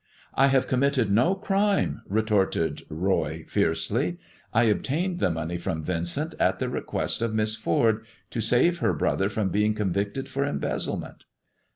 I have committed no crime," retorted Roy fiercely. " I obtained the money from Yincent, at the request of Miss Ford, to save her brother from being convicted for embezzlement."